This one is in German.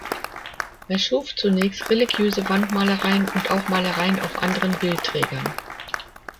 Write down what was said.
Er schuf zunächst religiöse Wandmalereien und auch Malereien auf anderen Bildträgern.